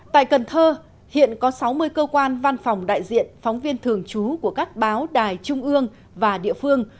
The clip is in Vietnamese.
tại cần thơ hiện có sáu mươi cơ quan văn phòng đại diện phóng viên thường trú của các báo đài trung ương và địa phương